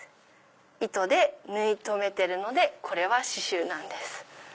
糸で縫い留めてるのでこれは刺繍なんです。